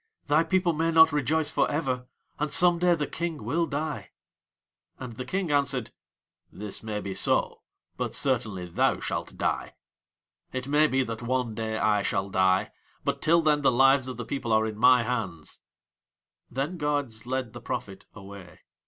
thy people may not rejoice for ever, and some day the King will die." And the King answered: "This may be so, but certainly thou shalt die. It may be that one day I shall die, but till then the lives of the people are in my hands." Then guards led the prophet away.